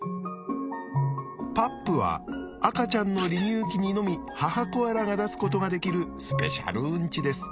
パップは赤ちゃんの離乳期にのみ母コアラが出すことができるスペシャルうんちです。